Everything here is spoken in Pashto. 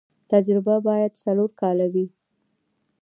تجربه باید څلور کاله وي.